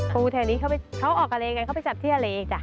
ปูแถวนี้เขาออกกะเลกันเขาไปจับที่อาเลอีก